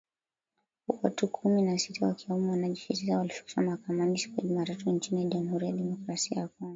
Watu kumi na sita wakiwemo wanajeshi tisa walifikishwa mahakamani ,siku ya Jumatatu ,nchini Jamuhuri ya Kidemokrasia ya Kongo